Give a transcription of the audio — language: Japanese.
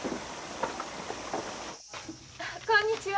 こんにちは。